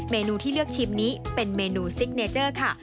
เมนูที่เลือกชิมนี้เป็นเมนูซิกเนเจอร์ค่ะ